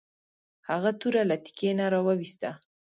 هغه توره له تیکي نه راویوسته.